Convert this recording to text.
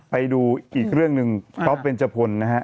ไปดูอีกเรื่องหนึ่งป๊อปเบนจพลนะฮะ